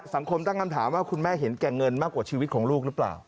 สังคมตั้งคำถามว่าคุณแม่เห็นแก่เงินมากกว่าชีวิตของลูกหรือเปล่า